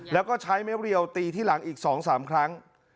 แล้วก็ใช้ไม้เรียวตีที่หลังอีก๒๓ครั้ง